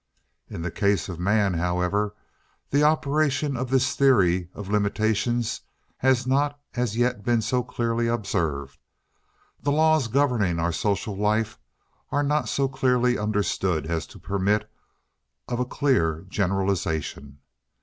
In the case of man, however, the operation of this theory of limitations has not as yet been so clearly observed. The laws governing our social life are not so clearly understood as to permit of a clear generalization.